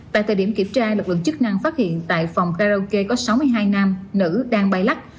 tại thời điểm kiểm tra lực lượng chức năng phát hiện tại phòng karaoke có sáu mươi hai nam nữ đang bay lắc